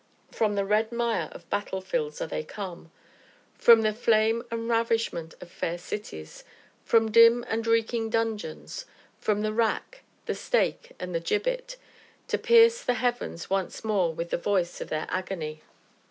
From the red mire of battlefields are they come, from the flame and ravishment of fair cities, from dim and reeking dungeons, from the rack, the stake, and the gibbet, to pierce the heavens once more with the voice of their agony.